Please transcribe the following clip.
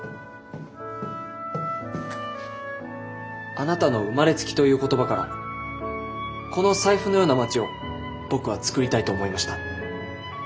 あなたの「生まれつき」という言葉からこの財布のような街を僕は作りたいと思いました。